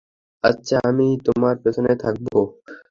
আচ্ছা, আমি তোমার পেছনে থাকব!